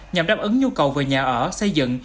nhằm đáp ứng nhu cầu về nhà ở xây dựng